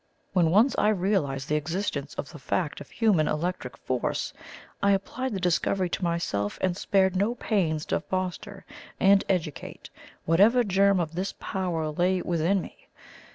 When once I realized the existence of the fact of human electric force, I applied the discovery to myself, and spared no pains to foster and educate whatever germ of this power lay within me.